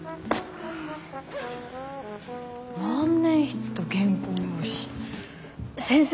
万年筆と原稿用紙先生